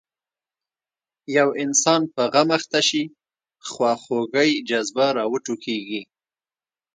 یو انسان په غم اخته شي خواخوږۍ جذبه راوټوکېږي.